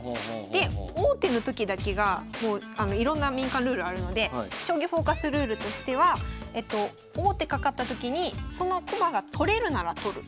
で王手のときだけがいろんな民間ルールあるので「将棋フォーカス」ルールとしては王手かかったときにその駒が取れるなら取る。